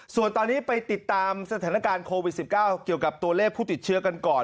ส่วนตอนนี้ไปติดตามสถานการณ์โควิด๑๙เกี่ยวกับตัวเลขผู้ติดเชื้อกันก่อน